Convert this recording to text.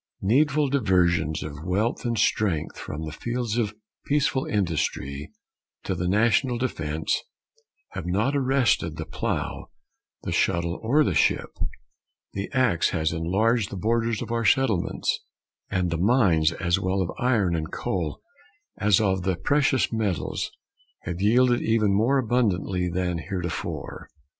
Needful diversions of wealth and strength from the fields of peaceful industry to the national defence have not arrested the plough, the shuttle, or the ship; the axe has enlarged the borders of our settlements, and the mines, as well of iron and coal as of the precious metals, have yielded even more abundantly than heretofore.